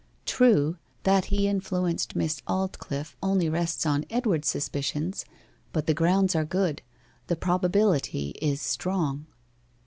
True, that he influenced Miss Aldclyffe only rests on Edward's suspicions, but the grounds are good the probability is strong.